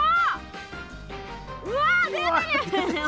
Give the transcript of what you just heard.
うわ出てるよ。